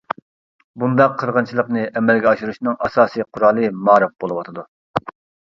بۇنداق قىرغىنچىلىقنى ئەمەلگە ئاشۇرۇشنىڭ ئاساسىي قورالى مائارىپ بولۇۋاتىدۇ.